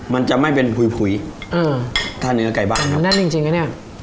มันจะไม่เป็นผุยผุยเออถ้าเนื้อไก่บ้านครับแน่นจริงจริงนะเนี้ย